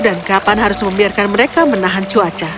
dan kapan harus membiarkan mereka menahan cuaca